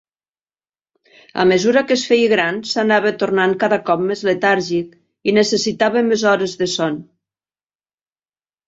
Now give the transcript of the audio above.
A mesura que es feia gran, s'anava tornant cada cop més letàrgic i necessitava més hores de son.